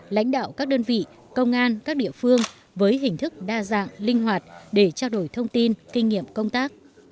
lãnh đạo các đơn vị công an các địa phương với hình thức đa dạng linh hoạt để trao đổi thông tin kinh nghiệm công tác